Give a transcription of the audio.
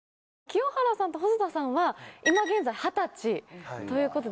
清原さんと細田さんは今現在二十歳ということで。